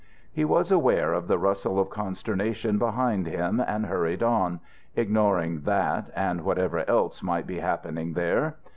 He was aware of the rustle of consternation behind him and hurried on, ignoring that and whatever else might be happening there.